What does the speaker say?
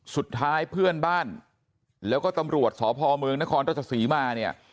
สุดท้ายเพื่อนบ้านแล้วก็ตำรวจสพเมืองนครราชศรีมาเนี่ย